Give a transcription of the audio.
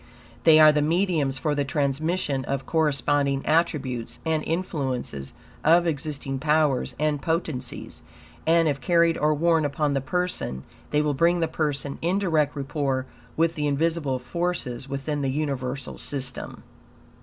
They are the mediums for the transmission of corresponding attributes and influences of existing powers and potencies, and if carried or worn upon the person, they will bring the person in direct rapport with the invisible forces within the universal system.